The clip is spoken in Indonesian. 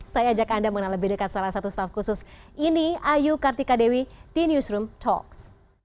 saya ajak anda mengenal lebih dekat salah satu staff khusus ini ayu kartika dewi di newsroom talks